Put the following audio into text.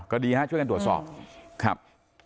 ก็ดีนะช่วยกันตรวจสอบ